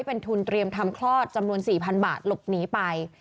เป็นทุนเตรียมทำคลอดจำนวน๔๐๐๐บาทหลบหนีไป